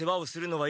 はい。